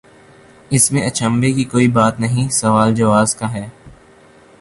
اس میں اچنبھے کی کوئی بات نہیں سوال جواز کا ہے۔